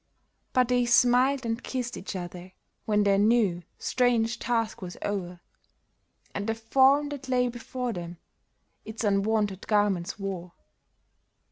But they smiled and kissed each other when their new, strange task was o'er, And the form that lay before them its unwonted garments wore.